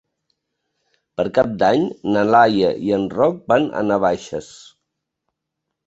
Per Cap d'Any na Laia i en Roc van a Navaixes.